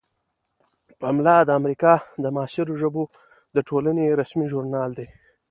پملا د امریکا د معاصرو ژبو د ټولنې رسمي ژورنال دی.